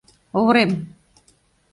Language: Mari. Оврем.